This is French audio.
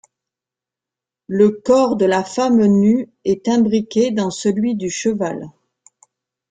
Le corps de la femme nue est imbriqué dans celui du cheval.